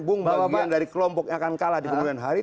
bung bagian dari kelompok yang akan kalah di kemudian hari